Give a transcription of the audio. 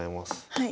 はい。